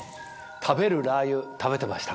食べるラー油食べてましたか？